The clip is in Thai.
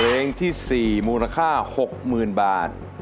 เพลงที่๔มูลค่า๖๐๐๐บาท